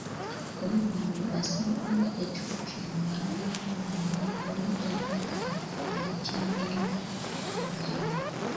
Obwedda buli asemberera ekifo kino ng'amala kwennyonnyolako wa gy'alaga nekyagenda okukolayo.